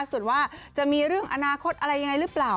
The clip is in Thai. ส่วนว่าจะมีเรื่องอนาคตอะไรยังไงหรือเปล่า